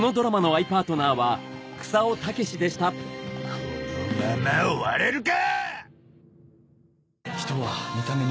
このまま終われるか‼